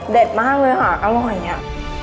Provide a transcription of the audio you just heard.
เด็ดมากเลยค่ะอร่อยเนี้ย